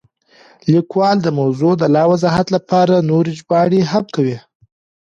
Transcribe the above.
لیکوال د موضوع د لا وضاحت لپاره نورې ژباړې هم کوي.